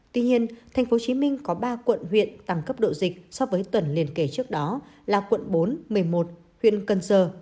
tuy nhiên tp hcm có ba quận huyện tăng cấp độ dịch so với tuần liên kể trước đó là quận bốn một mươi một huyện cần giờ